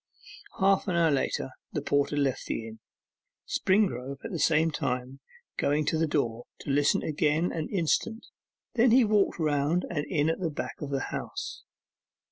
Half an hour later the porter left the inn, Springrove at the same time going to the door to listen again an instant, then he walked round and in at the back of the house.